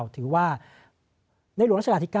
ถือว่าในหลวงราชการที่๙